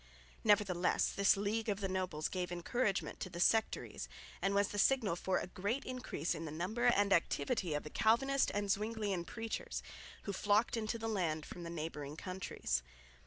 Nevertheless this league of the nobles gave encouragement to the sectaries and was the signal for a great increase in the number and activity of the Calvinist and Zwinglian preachers, who flocked into the land from the neighbouring countries.